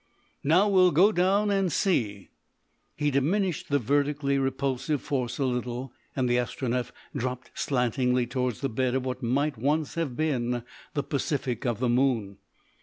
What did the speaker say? "Now we'll go down and see." He diminished the vertically repulsive force a little, and the Astronef dropped slantingly towards the bed of what might once have been the Pacific of the Moon.